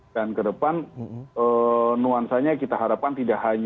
dan ke depan nuansanya kita harapkan tidak akan berhenti